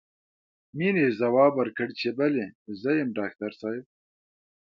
مينې ځواب ورکړ چې بلې زه يم ډاکټر صاحب.